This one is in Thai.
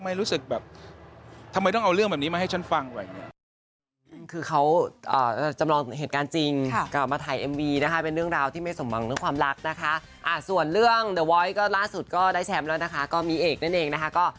ไม่รู้สึกแบบทำไมต้องเอาเรื่องแบบนี้มาให้ฉันฟัง